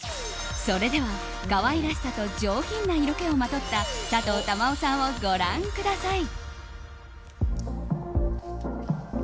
それでは、可愛らしさと上品な色気をまとったさとう珠緒さんをご覧ください。